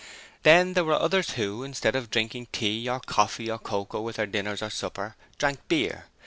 Then there were others who, instead of drinking tea or coffee or cocoa with their dinners or suppers, drank beer.